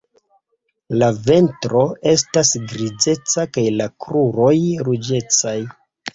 La ventro estas grizeca kaj la kruroj ruĝecaj.